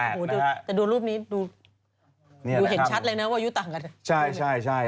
แต่ดูรูปนี้ดูเห็นชัดเลยนะว่าอายุต่างกัน